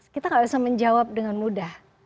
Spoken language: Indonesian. kita gak bisa menjawab dengan mudah